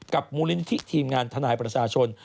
มูลนิธิทีมงานทนายประชาชน